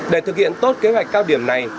để thực hiện tốt kế hoạch cao điểm này